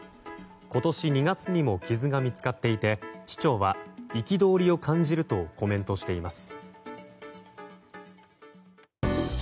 今年２月にも傷が見つかっていて市長は憤りを感じるとコメントしています。